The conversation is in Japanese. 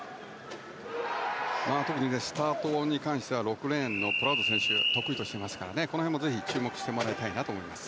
特にスタートに関しては６レーンのプラウド選手が得意としていますから注目してもらいたいと思います。